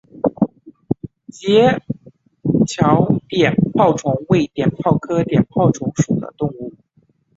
桥街碘泡虫为碘泡科碘泡虫属的动物。